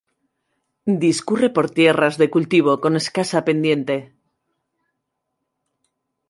Discurre por tierras de cultivo, con escasa pendiente.